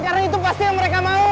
karena itu pasti yang mereka mau